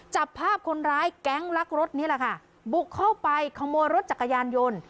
จับภาพคนร้ายแก๊งลักรถนี่แหละค่ะบุกเข้าไปขโมยรถจักรยานยนต์